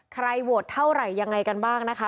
โหวตเท่าไหร่ยังไงกันบ้างนะคะ